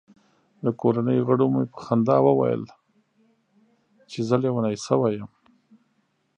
د کورنۍ غړو مې په خندا ویل چې زه لیونی شوی یم.